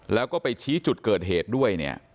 แล้วก็ไปชี้จุดเกิดเหตุด้วยเนี่ย